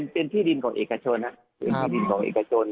เป็นที่ดินของเอกชนน่ะ